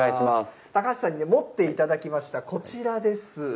高橋さんに持っていただきましたこちらです。